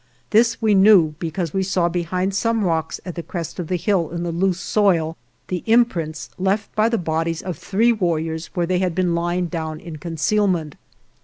This we knew because we saw behind some rocks at the crest of the hill in the loose soil the imprints left by the bodies of three warriors where they had been lying down in conceal ment.